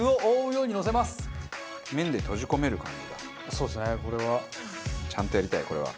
そうですねこれは。ちゃんとやりたいこれは。